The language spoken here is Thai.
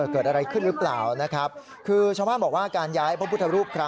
เกิดอะไรขึ้นหรือเปล่าชาวภาพบอกว่าการการย้ายผู้พุทธรูป